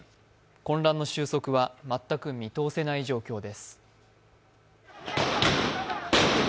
混乱の収束は全く見通せない状況です。